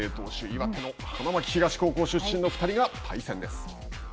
岩手の花巻東高校出身の２人が対戦です。